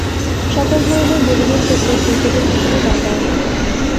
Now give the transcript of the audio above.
সকল ধরনের বোলিংয়ের ক্ষেত্রেই উইকেটের পিছনে দণ্ডায়মান থাকতেন।